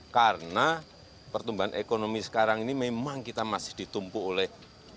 karena pertumbuhan ekonomi sekarang ini memang kita masih ditumpu oleh